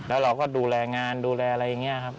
แล้วเราก็ดูแลงานดูแลอะไรอย่างนี้ครับ